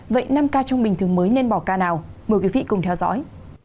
vậy năm k trong bình thường mới nên bỏ ca nào mời quý vị cùng theo dõi